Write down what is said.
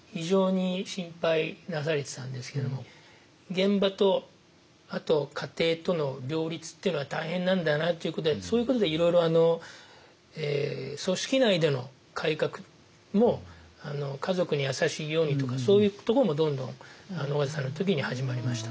現場とあと家庭との両立っていうのは大変なんだなということでそういうことでいろいろ組織内での改革も家族に優しいようにとかそういうところもどんどん緒方さんの時に始まりましたね。